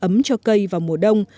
ấm cho cây vào mùa đông